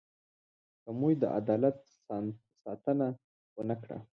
که موږ د عدالت ساتنه ونه کړو.